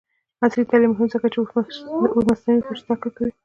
عصري تعلیم مهم دی ځکه چې د مصنوعي هوش زدکړه کوي.